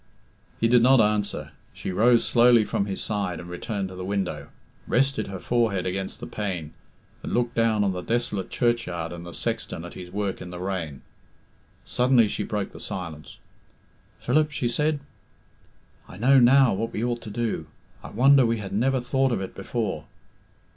_" He did not answer. She rose slowly from his side and returned to the window, rested her forehead against the pane, and looked down on the desolate churchyard and the sexton at his work in the rain. Suddenly she broke the silence. "Philip," she said, "I know now what we ought to do. I wonder we have never thought of it before."